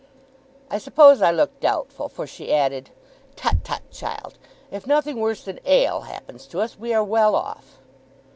I suppose I looked doubtful, for she added: 'Tut, tut, child. If nothing worse than Ale happens to us, we are well off.